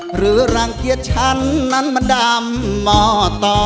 หรือรังเกียจฉันนั้นมันดำม่อต่อ